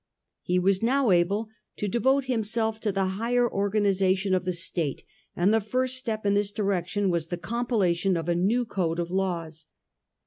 He was now able to devote himself to the higher organisation of the State, and the first step in this direction was the compilation of a new code of laws.